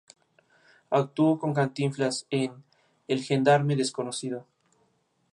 Actuó con Cantinflas en "El gendarme desconocido".